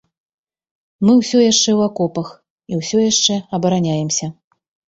Мы ўсё яшчэ ў акопах і ўсё яшчэ абараняемся.